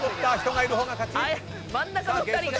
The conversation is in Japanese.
真ん中の２人が。